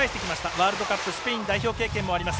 ワールドカップスペイン代表経験もあります